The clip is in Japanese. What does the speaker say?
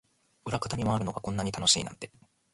裏方に回るのがこんなに楽しいなんて